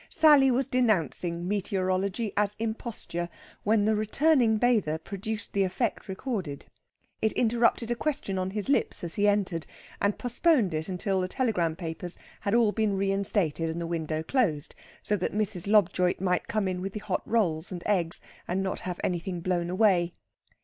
Sally was denouncing meteorology as imposture when the returning bather produced the effect recorded. It interrupted a question on his lips as he entered, and postponed it until the telegram papers had all been reinstated and the window closed, so that Mrs. Lobjoit might come in with the hot rolls and eggs and not have anything blown away.